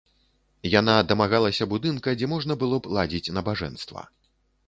Яна дамагалася будынка, дзе можна было б ладзіць набажэнства.